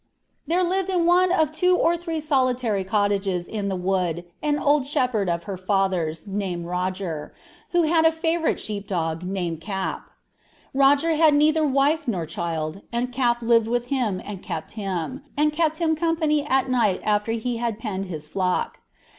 "There lived in one of two or three solitary cottages in the wood an old shepherd of her father's, named Roger, who had a favorite sheep dog called Cap. Roger had neither wife nor child, and Cap lived with him and kept him, and kept him company at night after he had penned his flock.